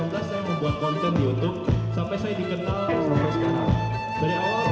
membuat konten di youtube sampai saya dikenal dari awal tidak untuk menurutkan orang orang